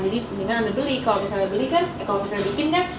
jadi mendingan anda beli kalau misalnya beli kan eh kalau misalnya bikin kan